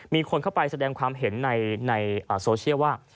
มีคนเข้าไปแสดงความเห็นในโซเชียลว่า